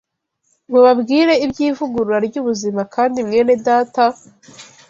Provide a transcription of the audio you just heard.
Mubabwire iby’ivugurura ry’ubuzima, kandi mwenedata,